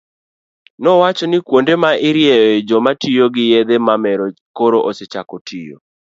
nowacho ni kuonde ma irieyoe joma tiyo gi yedhe mamero koro osechako tiyo.